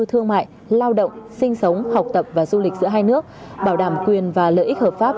thương mại lao động sinh sống học tập và du lịch giữa hai nước bảo đảm quyền và lợi ích hợp pháp